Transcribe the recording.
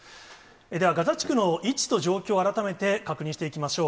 では、ガザ地区の位置と状況を、改めて確認していきましょう。